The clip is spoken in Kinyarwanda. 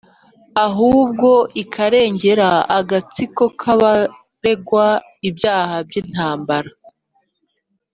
Ahubwo ikarengera agatsiko K’abaregwa ibyaha by’intambara.